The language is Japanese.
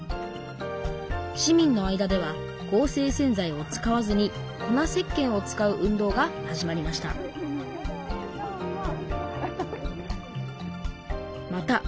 市民の間では合成洗剤を使わずに粉せっけんを使う運動が始まりました